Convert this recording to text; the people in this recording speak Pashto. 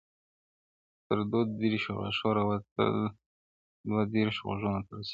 چي تر دو دېرشو غاښو راووتل، دو دېرشو غوږو ته رسېږي-